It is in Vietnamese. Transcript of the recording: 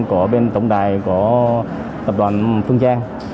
của bên tổng đài của tập đoàn phương trang